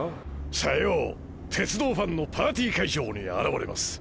さよう鉄道ファンのパーティー会場に現れます。